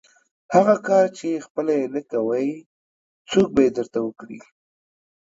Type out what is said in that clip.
هغه کار چې خپله یې نه کوئ، څوک به یې درته وکړي؟